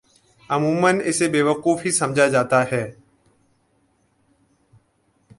عموما اسے بیوقوف ہی سمجھا جاتا ہے۔